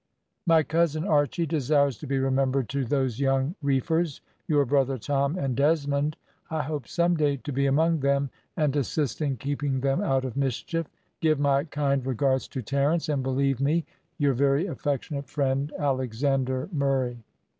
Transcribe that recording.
"My cousin Archy desires to be remembered to those young reefers, your brother Tom and Desmond. I hope some day to be among them and assist in keeping them out of mischief. Give my kind regards to Terence, and believe me, "Your very affectionate friend, "Alexander Murray."